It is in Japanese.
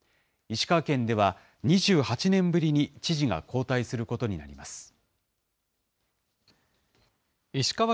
石川県では、２８年ぶりに知事が交代することになります。